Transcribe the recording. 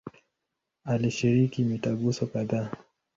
Alishiriki mitaguso kadhaa.